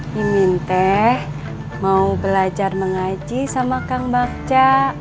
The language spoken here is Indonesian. mimin teh mau belajar mengaji sama kang bacca